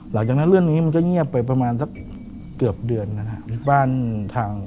หลังจากนั้นเรื่องนี้มันก็เงียบไปประมาณสักเกือบเดือน